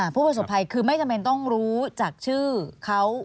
ผู้ประสบภัยคือไม่จำเป็นต้องรู้จากชื่อเขา